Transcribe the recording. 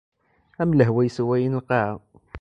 Am lehwa yesswayen lqaɛa.